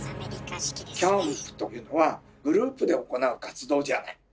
キャンプというのはグループで行う活動じゃない？